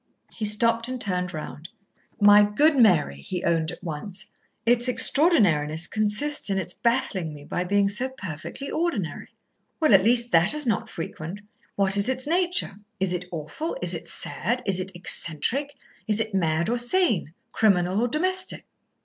He stopped and turned round. "My good Mary," he owned at once, "its extraordinariness consists in its baffling me by being so perfectly ordinary." "Well, at least that is not frequent. What is its nature? Is it awful? Is it sad? Is it eccentric? Is it mad or sane, criminal or domestic?"